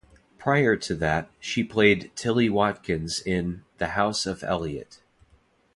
Prior to that, she played Tilly Watkins in "The House of Elliot".